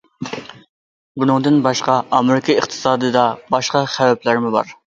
بۇنىڭدىن باشقا، ئامېرىكا ئىقتىسادىدا باشقا خەۋپلەرمۇ بار.